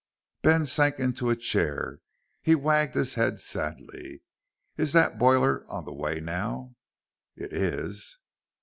Ben sank into a chair. He wagged his head sadly. "Is that boiler on the way now?" "It is."